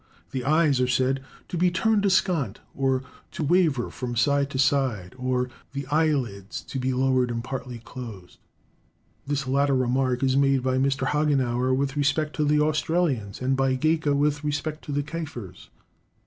The eyes are said "to be turned askant," or "to waver from side to side," or "the eyelids to be lowered and partly closed." This latter remark is made by Mr. Hagenauer with respect to the Australians, and by Gaika with respect to the Kafirs.